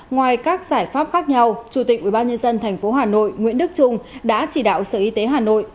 ngoài các giải pháp khác nhau chủ tịch ubnd tp hà nội nguyễn đức trung đã chỉ đạo sở y tế hà nội